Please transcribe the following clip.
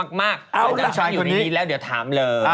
เอาล่ะยิ้มชายคนนี้อ้าวลูกชายอยู่ในนี้แล้วเดี๋ยวถามเลย